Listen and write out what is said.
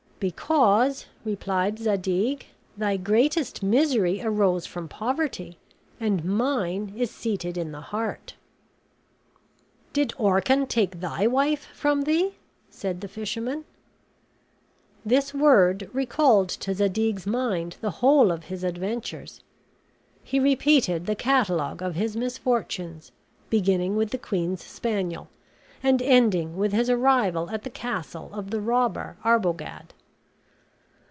"Because," replied Zadig, "thy greatest misery arose from poverty, and mine is seated in the heart." "Did Orcan take thy wife from thee?" said the fisherman. This word recalled to Zadig's mind the whole of his adventures. He repeated the catalogue of his misfortunes, beginning with the queen's spaniel, and ending with his arrival at the castle of the robber Arbogad.